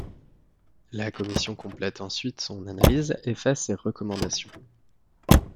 La commission complète ensuite son analyse et fait ses recommandations.